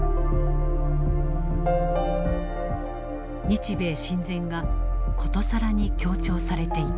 日米親善がことさらに強調されていた。